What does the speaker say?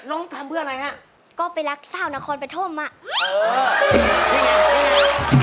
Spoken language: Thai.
น้องทำเพื่ออะไรฮะก็ไปรักศาลนครไปท่มอ่ะเออ